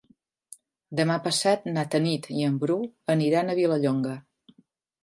Demà passat na Tanit i en Bru aniran a Vilallonga.